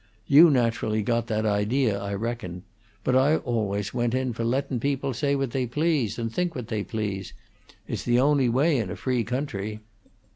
You naturally got that idea, I reckon; but I always went in for lettin' people say what they please and think what they please; it's the only way in a free country."